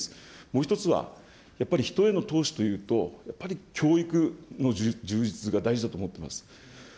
もう一つは、やっぱり人への投資というと、やっぱり教育の充実が大事だと思ってます。